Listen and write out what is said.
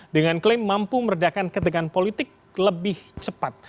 dengan klaim mampu meredakan ketegangan politik lebih cepat